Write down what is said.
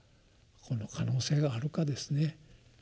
この可能性があるかですね。